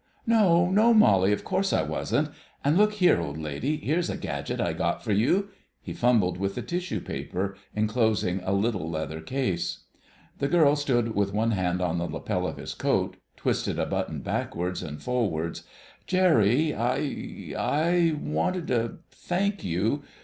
"No, no, Molly, of course I wasn't: and look here, old lady, here's a gadget I got for you—" he fumbled with the tissue paper enclosing a little leather case. The girl stood with one hand on the lapel of his coat, twisted a button backwards, and forwards. "Jerry, I—I wanted to thank you